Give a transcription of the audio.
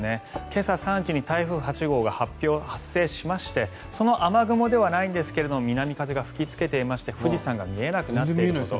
今朝３時に台風８号が発生しましてその雨雲ではないんですが南風が吹きつけていまして富士山が見えなくなっていると。